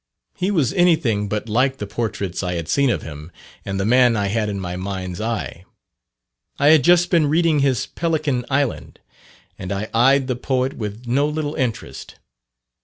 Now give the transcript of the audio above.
He was anything but like the portraits I had seen of him, and the man I had in my mind's eye. I had just been reading his "Pelican Island," and I eyed the poet with no little interest.